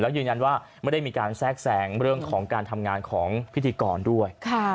ยืนยันว่าไม่ได้มีการแทรกแสงเรื่องของการทำงานของพิธีกรด้วย